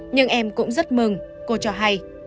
nhưng em cũng rất mừng cô cho hay